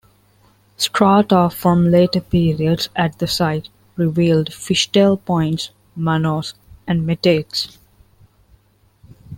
Strata from later periods at the site revealed fishtail points, manos, and metates.